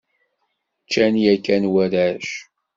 Ččan yakan warrac?